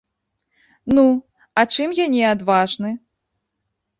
Ну, а чым я не адважны?